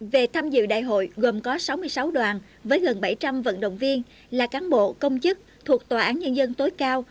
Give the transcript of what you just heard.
về tham dự đại hội gồm có sáu mươi sáu đoàn với gần bảy trăm linh vận động viên là cán bộ công chức thuộc tòa án nhân dân tối cao